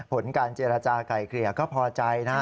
ผลการเจรจาก่ายเกลี่ยก็พอใจนะ